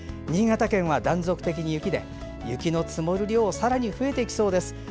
新潟県は断続的に雪で雪の積もる量がさらに増えていきそうです。